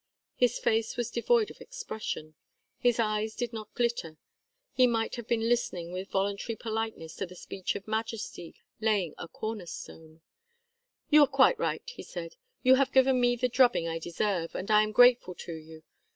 His face was devoid of expression. His eyes did not even glitter; he might have been listening with voluntary politeness to the speech of majesty laying a corner stone. "You are quite right," he said. "You have given me the drubbing I deserve, and I am grateful to you.